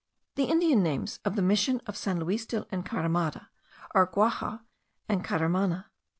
The Indian names of the Mission of San Luis del Encaramada, are Guaja and Caramana.